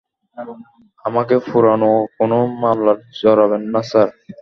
আমাকে পুরানো কোনও মামলায় জরাবেন না, স্যার।